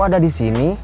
kok ada di sini